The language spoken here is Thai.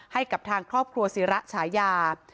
ให้กับทางครอบครัวศิระฉายา